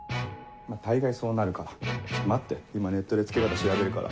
大概そうなるからちょっと待って今ネットで着け方調べるから。